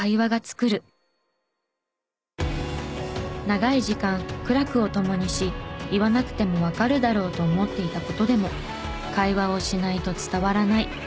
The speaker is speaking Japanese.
長い時間苦楽を共にし言わなくてもわかるだろうと思っていた事でも会話をしないと伝わらない。